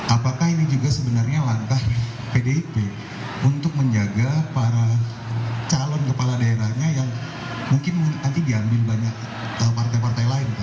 apakah ini juga sebenarnya langkah pdip untuk menjaga para calon kepala daerahnya yang mungkin nanti diambil banyak partai partai lain